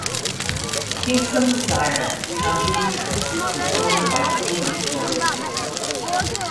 Kincsem's sire, Cambuscan, was owned by Queen Victoria.